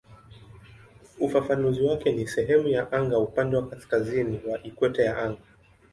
Ufafanuzi wake ni "sehemu ya anga upande wa kaskazini wa ikweta ya anga".